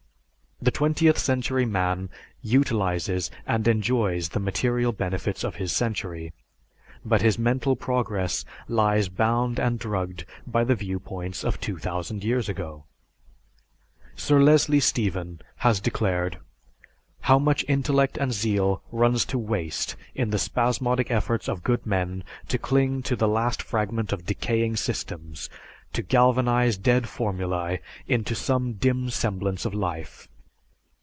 The twentieth century man utilizes and enjoys the material benefits of his century, but his mental progress lies bound and drugged by the viewpoints of 2000 years ago. Sir Leslie Stephen has declared, "How much intellect and zeal runs to waste in the spasmodic efforts of good men to cling to the last fragment of decaying systems, to galvanize dead formulæ into some dim semblance of life!